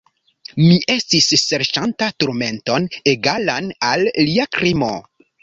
Mi estis serĉanta turmenton egalan al lia krimo.